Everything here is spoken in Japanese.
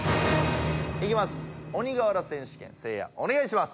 いきます。